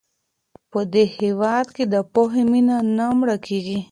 په دې هېواد کې د پوهې مینه نه مړه کېږي.